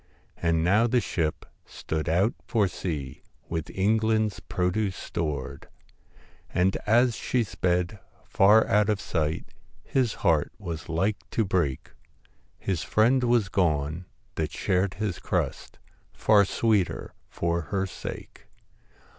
And now the ship stood out for sea, With England's produce stored ; And as she sped far out of sight, His heart was like to break ; His friend was gone that shared his crust, Far sweeter for her sake.